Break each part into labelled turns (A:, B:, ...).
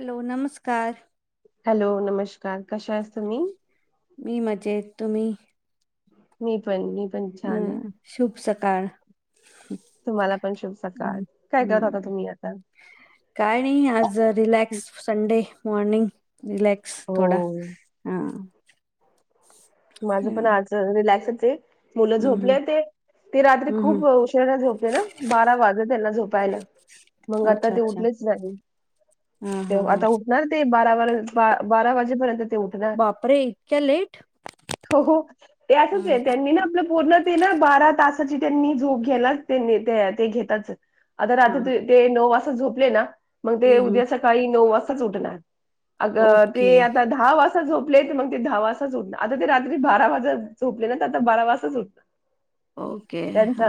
A: Hello नमस्कार.
B: Hello नमस्कार कश्या आहात तुम्ही.
A: मी मजेत तुम्ही.
B: मी पण मि
A: हम् शुभ सकाळ.
B: तुम्हाला पण शुभ सकाळ
A: हम्म,
B: काय करत होता
A: हम्म.
B: तुम्ही आता.
A: काय नाही आज रिलॅक्स संडे मॉर्निंग रिलॅ
B: हो
A: थोडा हा
B: माझं पण
A: हम्म,
B: आज रिलॅक्स होते मुलं झोपले
A: हम्म,
B: होते. ते रात्री
A: हम्म.
B: खूप उशरारा झोपले ना बारा वाजे त्यांना झोपायला. मग आता
A: अच्छा
B: ते
A: अच्छा
B: उठलेच नाही.
A: हा
B: ते
A: हा हा
B: आता उठणार ते बारा बारा वाजेपर्यंत ते उठणार.
A: अरे इतक्या लेट.
B: हो हो ते असंच
A: हं,
B: आहे त्यांनी ना आपलं पूर्ण ते ना बारा तासाची त्यांनी झोप घेला त्यांनी ते घेतच आता
A: हा हा
B: रात्री ते नऊ वाजता झोपले ना मग ते
A: हम्म, हम्म.
B: उद्या सकाळी नऊ वाजताच उठणार. अग
A: ओके
B: ते आता दहा वाजता झोपले तर मग ते दहा वाजताच उठणा आता ते रात्री बारा वाजत झोपले ना तर आता बारा वाजता उठ
A: ओके हा.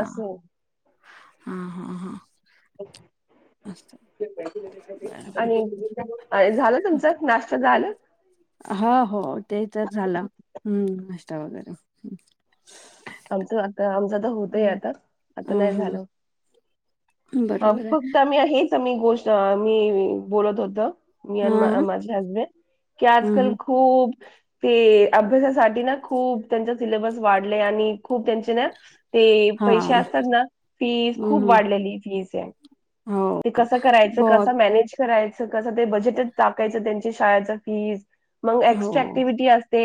A: हा हा हा बरं बरं
B: आणि झालं तुमचा नाश्ता झालं.
A: हा हो ते तर झाला हम्म नाश्ता वगैरे.
B: आमच आता आमच तर होतय
A: हम्म.
B: आता आता
A: हा
B: नाही
A: हा
B: झालं. अ
A: बरोबर आहे
B: फक्त आम्ही हेच मी गोष्ट मी बोलत होत मी
A: हा
B: अ
A: हा
B: माझे हसबेंड की
A: हम्म,
B: आजकाल
A: हम्म.
B: खूप ते अभ्यासासाठी ना खूप त्यांचा सिलेबस वाढ आणि खूप त्यांच्या ना. ते
A: हा
B: पैसे असतात ना फी खूप
A: हम्म
B: वाढलेली फीस.
A: हो
B: ते कसं करायचं कस
A: बहुत
B: मॅनेज करायचं कसं ते बजेटच टाकायचं त्यांची शाळेच फीज. मग
A: हो
B: एस्ट्र क्टिव्हटी असते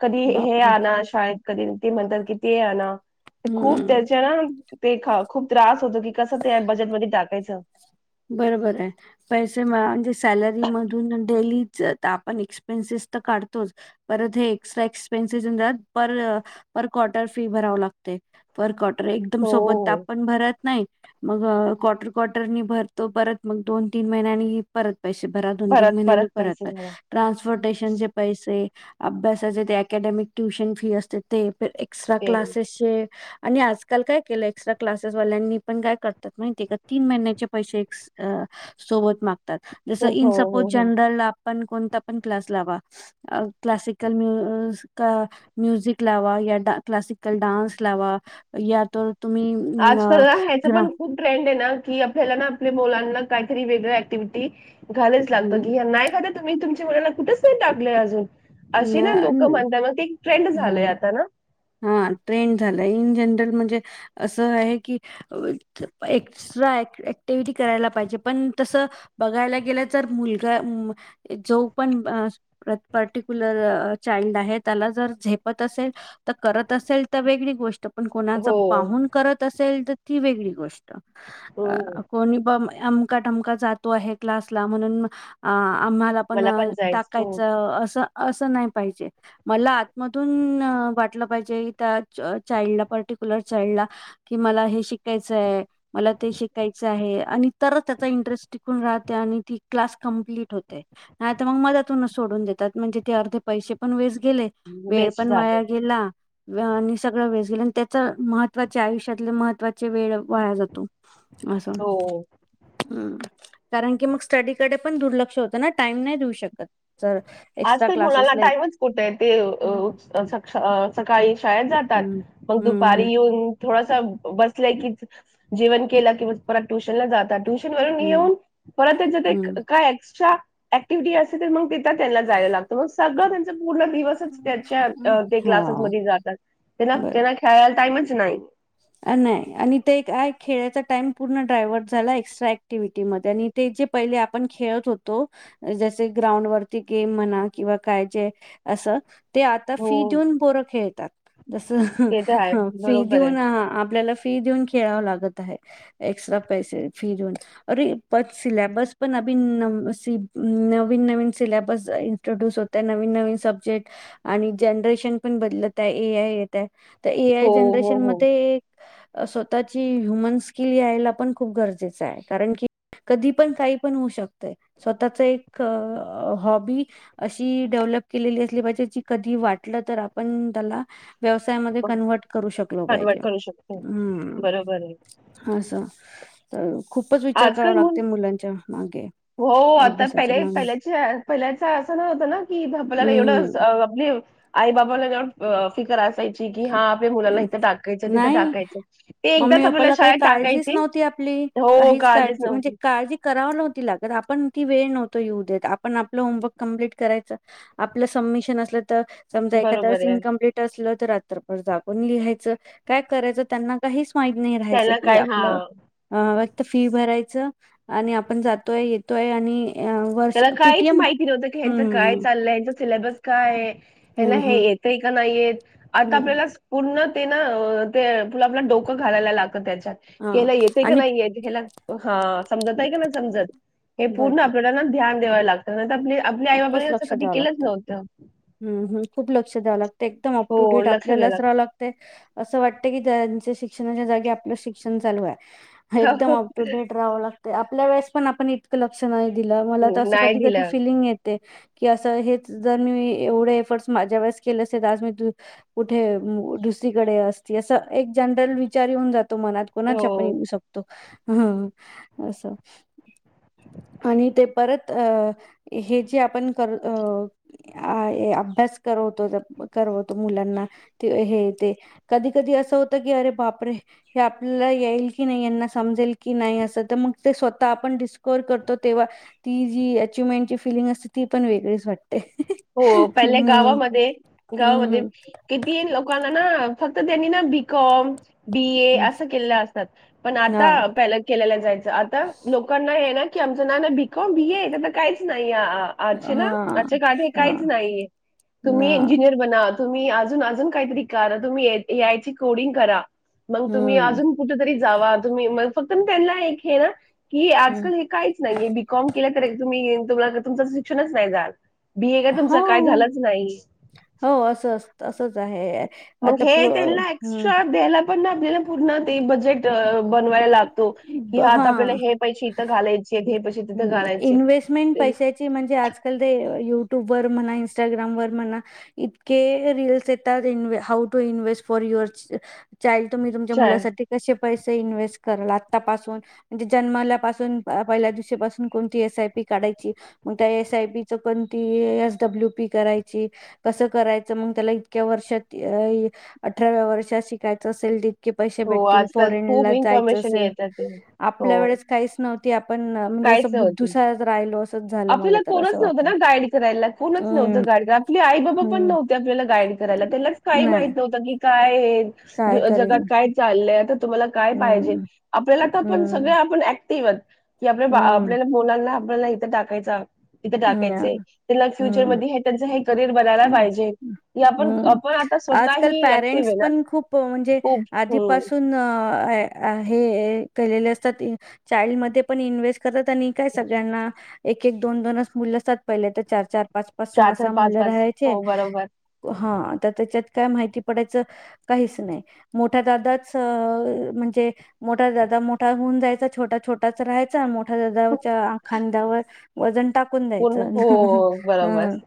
B: कधी हे
A: बापरे
B: आण शाळेत. कधी ते म्हणतात कि ते आण ना खूप
A: हम्म
B: त्याच्या ना ते खूप त्रास होतो की कसं ते बजेटमध्येध्ये टाकायचं.
A: बरोबर आहे पैसे म्हणजे सॅलरी मधून डेली आपण एक्सपेन्सिस तर काढतोच परत हे एक्स्ट्रा एक्सपेन्सिसात पर पर क्वार्टर फी भराव लागते पर क
B: हो
A: सोबत
B: हो.
A: आपण भरत नाही ते काँटल काँटर ने तो परत मग दोन तीन महिन्यांनी परत पैसे भरा दोन तीन
B: परत
A: महिन्यांनी
B: पैसे
A: परत
B: भरा
A: ट्रान्सपोर्टेशन चे पैसे अभ्यासाचे ते अकॅडमिक ट्युशन फी असते ते एक्स्ट्रा
B: ते
A: क्लासेसचे आणि आजकाल काय केलं एक्स्ट्रा क्लासेसवाल्यांनी पण काय करतात माती का तीन महिन्याच्या ज कोण
B: सो हो हो हो
A: पण क्लास लावा क्लासिकल म म्युझिक लावा या क्लासिकल ानस लावा या तर तुम्ही अ
B: आजकाल ना ह्याचं
A: ग्रा
B: पण खूप ट्रेंड आहे ना की आपल्याला ना आपल्या मुलांना काहीतरी वेगळ्या ऍक्टिव्हिटी घालायच लागतं की नाही का तुम्ही तुमच्या मुलाला कुठेच नाही टाकलंय अजून अशी ना लोक म्हणत मग एक ट्रेंड झालंय आता ना
A: हा ट्रेंड झालाय इन जनरल म्हणजे असं आहे की एक्स्ट्रा तेधी करायला पाहिजे पण तसं बघायला गेलं तर मुलगा जो पण पट कुलर चाड आहे त्याला जर झेपत असेल तर करत असेल तर वेगळी गोष्ट पण कोणाच
B: हो
A: पाहून करत असेल तर ती वेगळी गोष्ट.
B: हम्म.
A: अ कोणी पण मका जातो आहे क्लासला म्हणून आम्हाला आपण
B: मला पण जायचं हो
A: टाकायचं असं असं नाही पाहिजे मला आतमधून वाटलं पाहिजे त्या चाइल्डला पर्टिक्युलर चाइल्डला कि मला हे शिकायचंय मला ते शिकायचं आहे आणि तरच त्याचा इंटरेस्ट टिकून राहते आणि ती क्लास कमप्लीट होते नाहीता मग मदतूनच सोडून देतात म्हणजे ते अर्धे पैसे पण वेस्ट गेले वेळ
B: वेस्ट
A: पण
B: झालं
A: वया गेला आणि सगळं वेळ गेलं आणि त्याच महत्त्वाचे आयुष्यातले महत्त्वाचे वेळ वाया जातो. अस
B: हो
A: हम् कारण की मग स्टडीकडे पण दुर्लक्ष होतं ना टाइम नाही देऊ शकत तर
B: मुणाला टाईमच कुठे आहे ते सकाळी शाळेत जातात
A: हम्म
B: मग
A: हम्म हम्म
B: दूपारी येऊन थोडासा बसला की जीवन केला कि परत ट्युशन ला जातात ट्युशन वरून येऊन परत ज ते
A: हम्म हम्म.
B: काय एक्स्ट्रा ऍक्टिव्हटी असे तर मग तर त्याला जायला लागत सगळ त्यां पूर्ण दिवस त्या
A: हम्म. हा
B: जातात
A: बरोबर.
B: त्यांना खेळायला टाईमच नाही
A: नाही आणि ते एकय खेळायचा टाइम पूर्ण डायवर्ट झाला एक्स्ट्रा ऍक्टिव्हिटीमध्ये आणि ते जे पहिले आपण खेळत होतो जसे ग्राउंड वरती गेम म्हणा किंवा काय जे असं ते आता
B: हो
A: फी देऊन बोरं खेळतात जसं
B: ते तर आहे
A: फी
B: बरोबर आहे
A: देऊन आ आपल्याला फी देऊन खेळाव लागत आहे एक्स्ट्रा पैसे फी देऊन अरे पण सिल्याबस पण अ नवीन नवीन सिलेबस इ्रोड्यूस होतय नवीन नवीन सब्जेक्ट आणि जनरेशन पण बदलत आहे ए आय तर ए आय
B: हो हो
A: जनरेशन
B: हो
A: मध्ये स्वतःची ह्युमन स्किल यायला पण खूप गरजेचं आहे कारण की कधी पण काही पण होऊ शकत स्वतःच एक हॉबी अशी डेव्हलोप केलेली असली पाहिजे कधी वाटलं तर आपण त्याला व्यवसायामध्ये कन्वर्ट करू शकलो पाहिजे
B: कन्वर्ट करू शकतो
A: हम्म
B: बरोबर आहे
A: असं तर खूपच विचार करावा
B: आजकाल मुल
A: लागते मुलांच्या मागे
B: हो आता
A: अभ्यासाच्या
B: पहिल्या
A: मागे
B: पहिल्या पहिल्याच असं ना होत ना की आपल्याला एवढं
A: हम्म
B: आपली आई बाबाला जण फिकर असायची की हा मुथ टाकायच तिथ
A: नाही
B: टाकायचं ते एकदा
A: मम्मी
B: आपल्याला
A: पप्पाला काही
B: शाळेत
A: काळजीच
B: टाकाय
A: नव्हती आपली
B: हो
A: काहीच
B: काळजीच
A: काळजी म्हणजे
B: नव्हती
A: काळजी कराव नवती लागत आपण ती वेळ नव्हतो ये उद्याेत आपण आपलं होमवर्क कमप्लीट करायचं आपलं समिशन अस समजा
B: बरोबर
A: एखास
B: आहे
A: इनकमप्लीट असलं तर रात्रर जागून लिहायचं काय करायचं त्यांना काहीच माहत नाही राहायचं
B: त्याला
A: की
B: काय
A: आपलं
B: हा
A: अ फक्त फी भरायचं आणि आपण जातोय येतोय आणि अ, वर्ष
B: त्याला काहीच
A: पीटीएम
B: माहिती नव्हतं की हचं काय
A: हम्म
B: चाललंय हचचा सिलेबस काय हे ना
A: हम्म
B: हे
A: हम्म
B: येतय का नाहीयेत आता
A: हम्म हम्म.
B: आपल्याला पूर्ण ते ना ते प आपला डोकं घालायला लागत त्याच्यात
A: हा
B: केला येते का
A: आणि
B: नाही समजत आहे की नाही समजत हे पूर्ण
A: बरं
B: आपल्याला ध्यान द्यावायला लागतं आप आपल्या आई बाबानी जं कधी केलंच नव्हतं
A: ह ह खूप लक्ष द्याव लागतते एकदम अप टू
B: हो,
A: डेट
B: लक्ष द्यायला
A: आपल्यालाच राहाव लाग ते असं वाटत की त्यांच्या शिक्षणाच्या जागी आपलं शिक्षण चालू आहे
B: हो,
A: एकदम अप टू डेट राहावं लागतं आपल्या वेळेस पण आपण इ लक्ष नाही दिला मला
B: हो.
A: असं
B: नाही
A: कधी कधी
B: दिलं.
A: फिलिंग येत की असं हेच जर मी एवढे एफर्ट माझ्या वेळेस केले असेल तर आज मी कुठे दुसरीकडे असती असं एक जनरल विचार येऊन जातो मनात कोणाच आपण
B: हो.
A: येऊ शकतो ह असं आणि ते परत अ हे जे आपण कर अ अभ्यास करवतो करवतो मुलांना ते हे ते कधी कधी असं होतं की अरे बापरे हे आपल्याला येईल की नाही यांना समजेल की नाही असं तर मग ते स्वतः आपण डिस्कोअर करतो तेव्हा ती जी अचवमेंटची फिलिंग असते ती पण वेगळीच वाटते
B: हो पहिल्या
A: हम्म
B: गावामध्ये
A: हम्म
B: गावामध्ये
A: हम्म
B: कि तीन लोकांना ना फक्त त्यांनी ना बीिकॉम बी ए
A: हम्म.
B: असं केलेलं असतात पण
A: हा
B: आता प केलेला जायचं आता लोकांना हे ना की आमचं ना ना भिक भिय तर काहीच नाही अच्छ ना
A: हा
B: अच् काढ
A: हा
B: काहीच नाहीये
A: ना
B: तुम्ही इंजिनियर म्हणा तुम्ही अजून अजून काहीतरी करा तुम्ही ए आय ची कोडिंग करा मग तुम्ही
A: हम्म
B: अजून कुठ तरी जावा तुम्ही मग फक्त त्यांना एक हे ना की
A: हम्म
B: आजकाल हे काहीच नाहीे कॉम केला तर तुम्ही तुमला तुमच शिक्षणच नाही जाल बीए का तुमच काय
A: हा
B: झालंच नाही
A: हो असं असंच आहे
B: मग
A: आता
B: हे
A: प्रो
B: त्यांना
A: हं.
B: एक्स्ट्रा द्यायला पण आपल्याला पूर्ण ते बजेट बनवायला लागतो कि आ आपल्याला हे इथं घायची घ
A: हम् इन्हेस्टमेंट पैशाची म्हणजे आजकाल ते युट्यूब वर म्हणा इंस्टाग्राम वर म्हणा इतके रीलल्स येतात इ how to invest for your चाल तु मी तुमच्या
B: छान.
A: मुलासाठी कसे पैसे इन्व्हेस्ट क आतापासून म्हणजे जन्मल्यापासून पहिल्या पासून कोणती एस आय पी काढायची मग त्या एसआय पी च पण ती एसडब्ल्यू पी करायची कसं करायचं मग त्याला इतक्या वर्षात अठराव्या वर्षात शिकायचं असेल पै
B: हो
A: भेटतील
B: आजकाल
A: फॉरेन
B: खूप
A: जायच
B: इन्फॉर्मेशन
A: असेल
B: येतात ते. हो
A: आपल्या वेळे काहीच नव्हती आपण म्हणजे
B: काहीच
A: असं बुद्धू
B: होती.
A: सा राहिलो असंच झालं
B: आपल्याला
A: मला तर
B: कोणच
A: असं
B: नव्हतं
A: वाटतं.
B: ना गाईड करायला कोणच
A: हम्म.
B: नव्हतं गाईड आपली आई बाबा पण
A: हम्म
B: नव्हते आपल्याला गाईड करायला त्यालाच काही
A: नाही
B: माहित नव्हतं की काय
A: काय करील
B: जगात काय चाललंय आता तुम्हाला काय पाहिजे
A: हम्म.
B: आपल्याला तर पण
A: हम्म,
B: सगळे आपण ऍक्टिव्ह आहेत की आपल्या बाळ
A: हम्म,
B: आपल्याला मुलांना आपल्याला इथे टाकायचं हाय तिथे टाकायचंय
A: हम्म,
B: त्यांना
A: हम्म.
B: फ्युचरमध्ये त्यांचं हे करिअर बनायला पाहिजे हे आपण
A: हम्म
B: आपण आता
A: आजकाल
B: स्वतःही ॲक्टिव्ह
A: पॅरेंट्स
B: आहे ना
A: पण खूप म्हणजे
B: खूप. हं.
A: आधीपासून अ हे केलेले असतात चाइल्ड मध्ये पण इन्व्हेस्ट करतात आणि काय सगळ्यांना एक एक दोन दोनच मुलं असतात पहिले तर चार चार पाच पाच सहा सहा मुलं राहायचे
B: हो, बरोबर.
A: हा आता त्याच्यात काय माहिती पडायचं काहीच नाही मोठ्या दादाचं म्हणजे मोठा दादा मोठा होऊन जायचा छोटा छोटाच राहायचा मोठ च्या खांद्यावर वजन टाकून
B: पूर्ण
A: द्यायचं
B: हो, बरोबर.
A: हं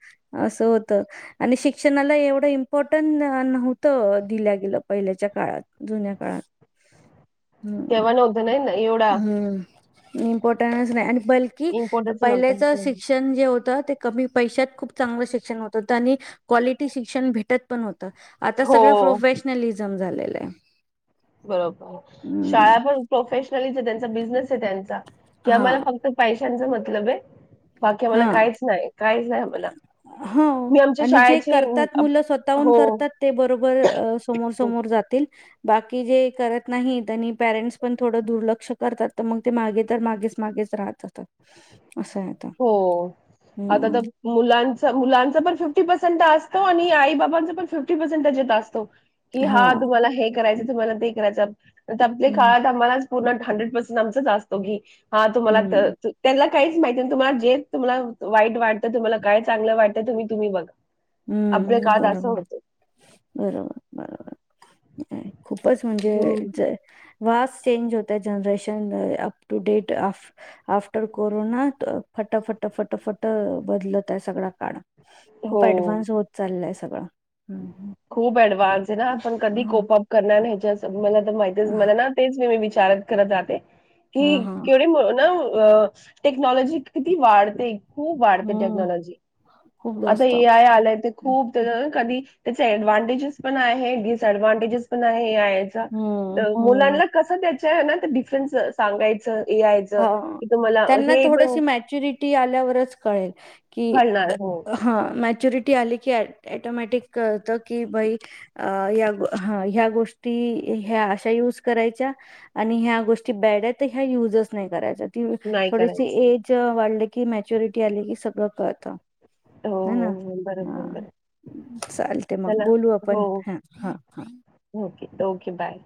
A: अस होत आणि शिक्षणाला एवढं इम्पॉर्टन्ट नव्हतं दिल्या गेलं पहिल्याच्या काळात जुन्या काळात
B: [inaudible]
A: हम्
B: नव्हतं नाही ना एवढा
A: हम्म इम्पॉर्टन्स नाही आणि बिल की
B: इम्पॉर्टन्स नव्हता
A: पहिल्याचं शिक्षण जे होतं ते कमी पैशात खूप चांगलं शिक होत होतं आणि कॉलिटी शिक्षण भेटत पण होतं आता
B: हो
A: सगळं प्रोफश नाही लई जाम झालेलं आहे
B: बरोबर
A: हम्म
B: शाळा पण प्रोफेशनलीचं आहे त्यांचा बिझनेस आहे त्यांचा किंवा मला
A: हा
B: फक्त पैशांचा मतलब आहे बाकी आम्हाला
A: हा
B: काहीच नाही काहीच नाही आम्हाला
A: हो
B: मी आमच्या
A: आणि जे
B: शाळेची अम,
A: करतात
B: अप-
A: मुलं स्वतःहून
B: हो
A: करतात ते बरोबर समोर समोर जातील बाकी जे करत नाहीत आणि परेंट्स पण थोडं दुर्लक्ष करतात तर मग ते मागे तर मागेच मागेच राहतात असं आहे आता
B: हो आता
A: हम्म
B: तर मुलांचं मुलांचा पण फिफ्टी पर्सेंट असतो आणि आई बाबांचा पण फिफ्टी पर्सेंटंच येत असतो कि
A: हो
B: हा तुम्हाला हे करायचं तुम्हाला ते करायचं आपल्या
A: हम्म
B: काळात आम्हाला पण हंड्रेड पर्सेंट आमचंच असतो घे हा तुम्हाला
A: हम्म
B: त्यांना काहीच माहिती तुमाला जे तुम्हाला वाईट वाटतं तुम्हाला काय चांगलं वाटतं तुम्ही तुम्ही बघा आमच्या
A: हम्म
B: काळात असं
A: बरोबर
B: होतं
A: बरोबर बरोबर खूपच म्हणजे
B: हम्म.
A: ज वास चेंज होतय जनरेशन अप टू डेट अफ आफ्टर कोरोना फटा फटा फटा फटा बदलत आहे सगळा काळ
B: हो
A: खूप ऍडव्हान्स होत चाललंय सगळं ह
B: खूप ऍडव्हान्स आहे ना पण कधी
A: ह
B: कोपअप करणार हच्या मला माहितीच मला ना तेच मी मी विचार करत राहते कि
A: हा हा.
B: केवढे ना अ टेक्नॉलॉजी किती वाढते खूप वाढते
A: हम्म
B: टेक्नॉलॉजी
A: खूप
B: आता
A: जास्त
B: ए आय आलंय ते खूप कधी त्याचे ऍडव्हानटेजेस पण आहे डिसऍडव्हानटेजेस पण आहे याचा
A: हम्म
B: तर
A: हम्म
B: मुलांना कसं त्याच्या ना डिफरन्स सांगायचं यायचं की तुम्हाला हे पण
A: ऍकचूली ती आल्यावरंच कळेल की
B: कळणार हो
A: हा मॅच्युरिटी आली की ॲ ॲटोमॅटिक काय होतं की बाई अ या ह्या गोष्टी ह्या अशा युज करायच्या आणि ह्या गोष्टी बॅड आहेत तर ह्या यूजच नाही करायचं
B: नाही
A: थोडी
B: करायचं
A: एज वाढली की मॅच्युरिटी आली की सगळं कळत
B: हो हो हो बरोबर बर
A: चालतंय मग बोलू आपण हा हा हा
B: ओके ओके बाय